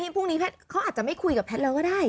พรุ่งนี้เขาอาจจะไม่คุยกับแพทย์เราก็ได้